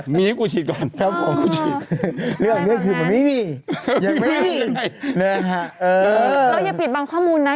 มีให้กูฉีดก่อนนะครับของกูฉีดเรื่องนี้คือไม่มียังไม่มีแล้วอย่าปิดบางข้อมูลนะ